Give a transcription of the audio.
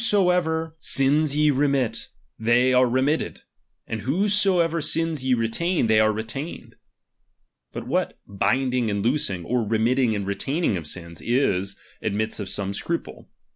xy II. sins ye remit, Ihey are remitted; and whose a ■riiB power nf *''''* V^ retain, they are retained. But what hind ^ ing and loosing, or remitting and retaining of sins, is, admits of some scruple.